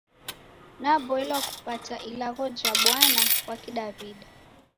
Naboilwa kupata Ilagho ja Bwana kwa Kidaw'ida.